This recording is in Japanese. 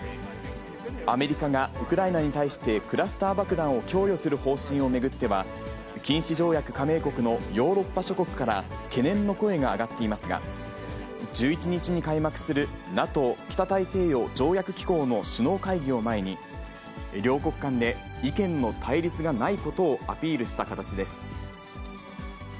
アメリカがウクライナに対してクラスター爆弾を供与する方針を巡っては、禁止条約加盟国のヨーロッパ諸国から懸念の声が上がっていますが、１１日に開幕するＮＡＴＯ・北大西洋条約機構の首脳会議を前に、両国間で意見の対立がないことをアピールした形です。